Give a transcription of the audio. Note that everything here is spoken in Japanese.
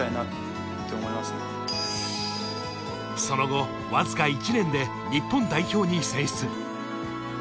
その後、わずか１年で日本代表に選出。